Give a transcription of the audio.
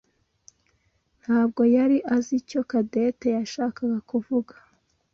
ntabwo yari azi icyo Cadette yashakaga kuvuga.